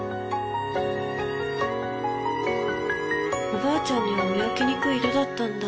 おばあちゃんには見分けにくい色だったんだ。